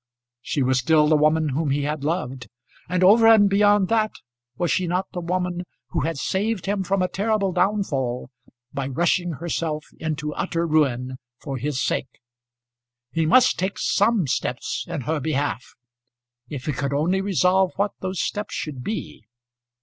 She was still the woman whom he had loved; and, over and beyond that, was she not the woman who had saved him from a terrible downfall by rushing herself into utter ruin for his sake? He must take some steps in her behalf if he could only resolve what those steps should be.